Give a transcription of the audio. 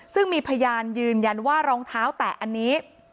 ซึ่งมีพยานยืนยันว่ารองเท้าแตะอันนี้